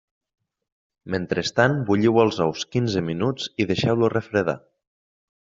Mentrestant bulliu els ous quinze minuts i deixeu-los refredar.